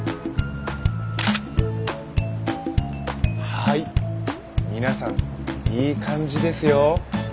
はい皆さんいい感じですよ。